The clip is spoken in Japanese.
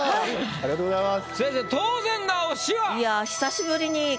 ありがとうございます。